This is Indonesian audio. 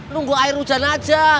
nunggu air hujan aja